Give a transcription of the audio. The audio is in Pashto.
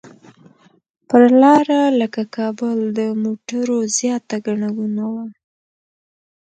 پر لاره لکه کابل د موټرو زیاته ګڼه ګوڼه وه.